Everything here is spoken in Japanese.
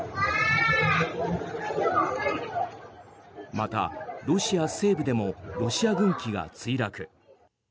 また、ロシア西部でもロシア軍機が墜落。